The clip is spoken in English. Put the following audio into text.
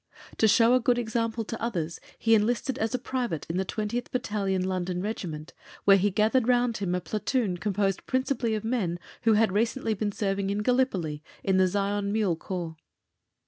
To show a good example to others, he enlisted as a private in the 20th Battalion London Regiment, where he gathered round him a platoon composed principally of men who had recently been serving in Gallipoli in the Zion Mule Corps.